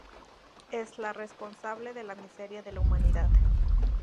Es la responsable de la miseria de la humanidad.